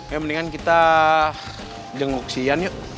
ya mendingan kita jenguk si ian yuk